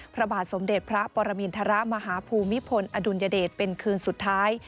พระบาทสมเด็จพระปรมินทรมาฮภูมิพลอดุลยเดชเป็นคืนสุดท้าย